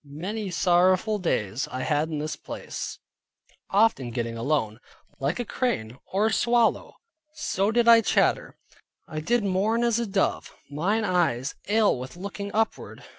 Many sorrowful days I had in this place, often getting alone. "Like a crane, or a swallow, so did I chatter; I did mourn as a dove, mine eyes ail with looking upward.